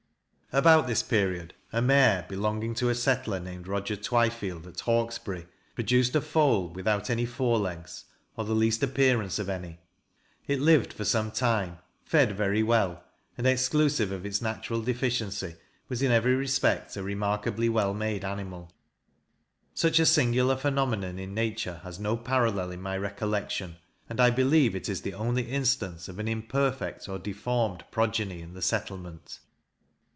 About this period, a mare, belonging to a settler named Roger Twyfield, at Hawkesbury, produced a foal, without any fore legs, or the least appearance of any: it lived for some time, fed very well, and, exclusive of its natural deficiency, was in every respect a remakably well made animal. Such a singular phoenomenon in nature has no parallel in my recollection; and I believe it is the only instance of an imperfect or deformed progeny in the settlement.